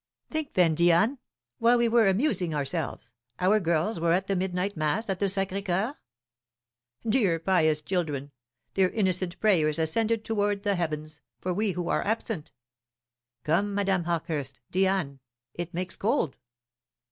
Think, then, Diane, while we were amusing ourselves, our girls were at the midnight mass at the Sacré Coeur? Dear pious children, their innocent prayers ascended towards the heavens for we who are absent. Come, Madame Hawkehurst, Diane, it makes cold."